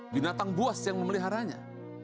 binatang buas yang memeliharanya